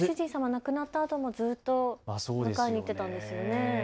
亡くなったあともずっと迎えに行っていたんですよね。